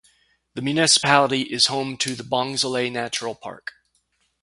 The municipality is home to the Bongsanglay Natural Park.